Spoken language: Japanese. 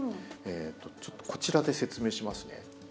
ちょっとこちらで説明しますね。